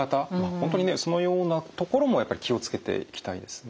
本当にねそのようなところもやっぱり気を付けていきたいですね。